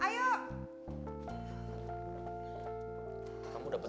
aku dalam men obstruct ribut